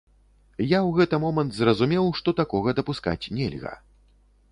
Я ў гэты момант зразумеў, што такога дапускаць нельга.